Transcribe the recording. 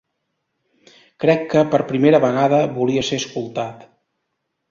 Crec que per primera vegada volia ser escoltat.